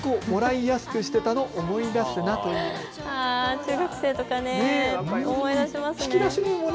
中学生とか、思い出しますね。